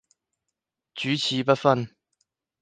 主次不分